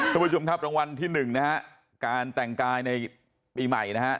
คุณผู้ชมครับรางวัลที่หนึ่งนะฮะการแต่งกายในปีใหม่นะฮะ